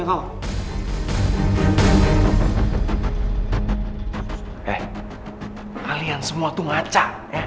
eh kalian semua tuh ngaca